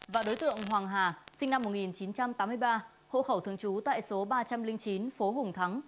và đối tượng hoàng hà sinh năm một nghìn chín trăm tám mươi ba hộ khẩu thường trú tại số ba trăm linh chín phố hùng thắng